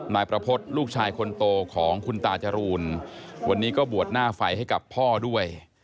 นายประพฤติลูกชายคนโตของคุณตาจรูนวันนี้ก็บวชหน้าไฟให้กับพ่อด้วย